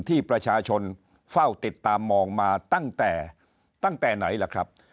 ที่ประชาชนเฝ้าติดตามมองมาตั้งแต่ตั้งแต่ไหนล่ะครับ